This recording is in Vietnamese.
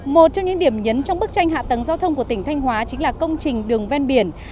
một trong những điểm nhấn trong bức tranh hạ tầng giao thông của tỉnh thanh hóa chính là công trình đường ven biển